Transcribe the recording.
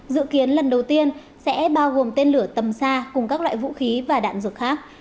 dự kiến lần đầu tiên sẽ bao gồm tên lửa tầm xa cùng các loại vũ khí và đạn dược khác